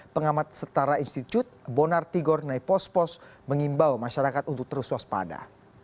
pengamat setara institut bonar tigor naipospos mengimbau masyarakat untuk terus waspada